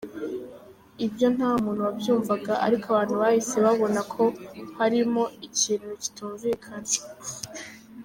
Ibyo nta muntu wabyumvaga, ariko abantu bahise babona ko harimo ikintu kitumvikana!